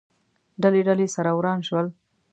ډلې، ډلې، سره وران شول